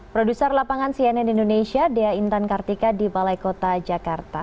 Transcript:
produser lapangan cnn indonesia dea intan kartika di balai kota jakarta